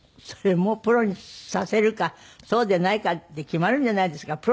そりゃもうプロにさせるかそうでないかで決まるんじゃないですか？